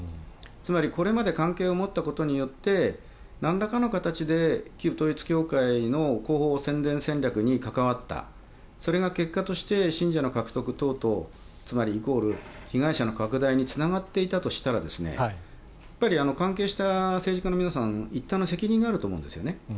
つまり、これまで関係を持ったことによってなんらかの形で旧統一教会の広報宣伝戦略に関わったそれが結果として信者の獲得等々つまりイコール、被害者の拡大につながっていたとしたら関係した政治家の皆さん一端の責任があると思うんですよね。